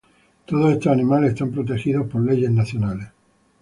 Todos estos animales están protegidos por leyes nacionales.